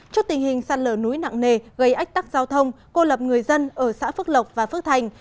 trước tình hình sạt lở núi nặng nề gây ách tắc giao thông cô lập người dân ở xã phước lộc và phước thành